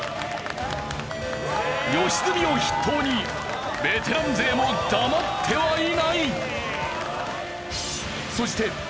良純を筆頭にベテラン勢も黙ってはいない。